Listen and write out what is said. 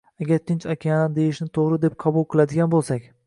Agar Tinch okeani deyishni toʻgʻri deb qabul qiladigan boʻlsak